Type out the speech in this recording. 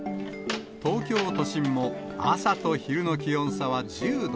東京都心も朝と昼の気温差は１０度。